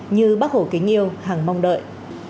như bác hồ kính yêu hàng mong đợi